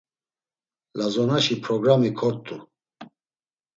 Lazonaşi programi kort̆u.